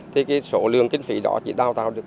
thì cái số lượng kinh phí đó chỉ đào tạo được